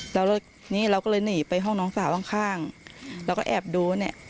แล้วนี่เราก็เลยหนีไปห้องน้องสาวข้างเราก็แอบดูเนี่ย